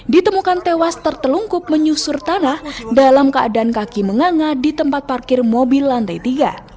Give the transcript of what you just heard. ditemukan tewas tertelungkup menyusur tanah dalam keadaan kaki menganga di tempat parkir mobil lantai tiga